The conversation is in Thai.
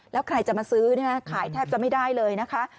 แล้วใครจะมาซื้อขายแทบจะไม่ได้เลยนะคะ